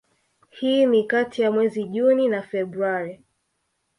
hii ni kati ya mwezi Juni na Februari